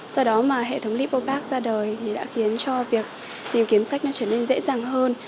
do đó mà hệ thống lipopac ra đời thì đã khiến cho việc tìm kiếm sách nó trở nên dễ dàng hơn